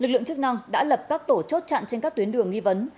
lực lượng chức năng đã lập các tổ chốt chặn trên các tuyến đường nghi vấn